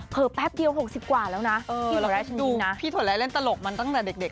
เผื่อแป๊บเดียวหกสิบกว่าแล้วนะเออแล้วดูพี่โถยร้ายเล่นตลกมันตั้งแต่เด็ก